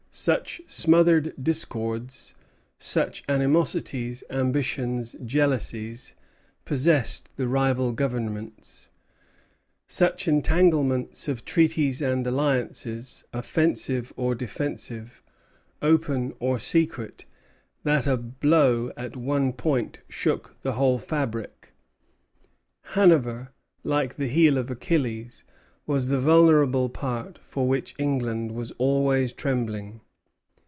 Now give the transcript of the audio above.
Such smothered discords, such animosities, ambitions, jealousies, possessed the rival governments; such entanglements of treaties and alliances, offensive or defensive, open or secret, that a blow at one point shook the whole fabric. Hanover, like the heel of Achilles, was the vulnerable part for which England was always trembling.